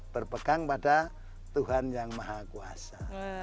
berpegang pada tuhan yang maha kuasa